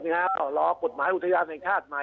ก็รอกฎหมายอุทยานแห่งชาติใหม่